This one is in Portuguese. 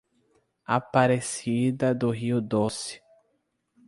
Aparecida do Rio Doce